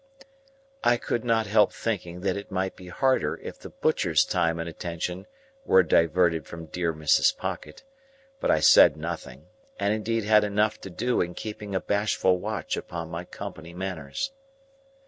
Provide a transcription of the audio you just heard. I could not help thinking that it might be harder if the butcher's time and attention were diverted from dear Mrs. Pocket; but I said nothing, and indeed had enough to do in keeping a bashful watch upon my company manners.